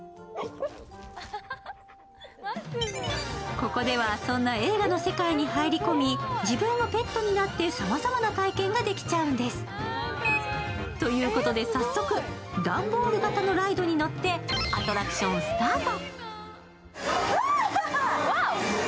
ここではそんな映画の世界に入り込み、自分もペットになって、さまざまな体験ができちゃうんです。ということで、早速段ボール型のライドに乗ってアトラクションスタート。